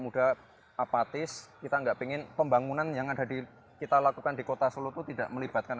muda apatis kita enggak ingin pembangunan yang ada di kita lakukan di kota solo itu tidak melibatkan